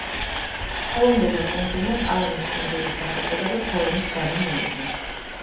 ხელოვნურმა კუნძულმა „პალმის კუნძულის“ სახელწოდება ფორმის გამო მიიღო.